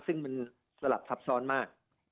ซึ่งมันสลับซับซ้อนมาก